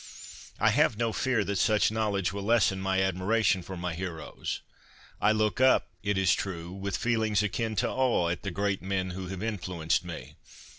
I have OUTSIDE THEIR BOOKS 49 no fear that such knowledge will lessen my admira tion for my heroes. I look up, it is true, with feelings akin to awe at the great men who have influenced me.